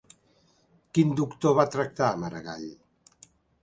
Quin doctor va tractar a Maragall?